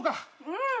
うん。